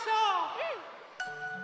うん。